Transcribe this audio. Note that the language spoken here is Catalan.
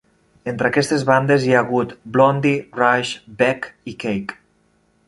Entre aquestes bandes hi ha hagut Blondie, Rush, Beck i Cake.